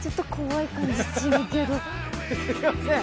すいません